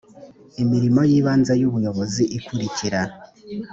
imirimo y ibanze y ubuyobozi ikurikira